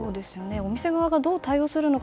お店側がどう対応するのか。